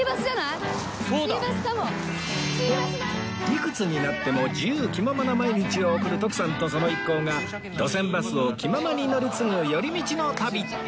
いくつになっても自由気ままな毎日を送る徳さんとその一行が路線バスを気ままに乗り継ぐ寄り道の旅